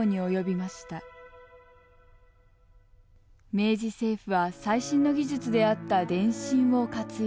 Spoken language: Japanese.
明治政府は最新の技術であった電信を活用。